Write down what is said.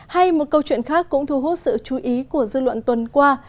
hay một câu chuyện khác cũng thu hút sự chú ý của dư luận tuần qua